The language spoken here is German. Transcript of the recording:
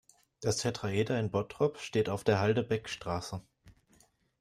Das Tetraeder in Bottrop steht auf der Halde Beckstraße.